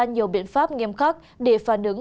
nhiều biện pháp nghiêm khắc để phản ứng